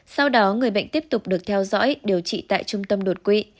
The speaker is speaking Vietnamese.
sau đó người bệnh tiếp tục được theo dõi điều trị tại trung tâm đột quỵ